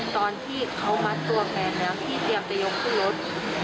ตอนที่เขามัดตัวแฟนแล้วพี่เตรียมจะยกขึ้นรถ